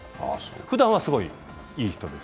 ふだんはすごい、いい人です。